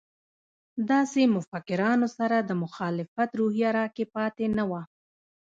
داسې مفکرانو سره د مخالفت روحیه راکې پاتې نه وه.